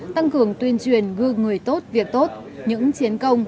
tăng cường tuyên truyền gương người tốt việc tốt những chiến công